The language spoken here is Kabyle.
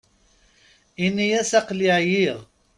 Ini-as aql-i ɛyiɣ.